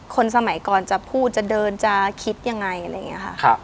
สมัยก่อนจะพูดจะเดินจะคิดยังไงอะไรอย่างนี้ค่ะ